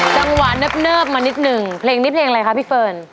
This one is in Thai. จังหวานเนิบมานิดนึงเนปอะไรคะพี่เฟิร์น